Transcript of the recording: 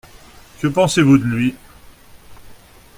Que pensez-vous de lui ?